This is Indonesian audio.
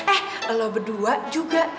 eh lo berdua juga